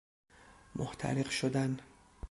محترق شدن